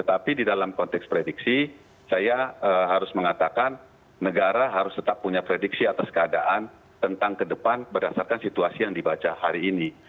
tapi di dalam konteks prediksi saya harus mengatakan negara harus tetap punya prediksi atas keadaan tentang ke depan berdasarkan situasi yang dibaca hari ini